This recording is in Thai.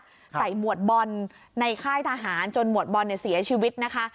ใส่หมวดบอลในค่ายทหารจนหมวดบอลเสียชีวิตนะคะ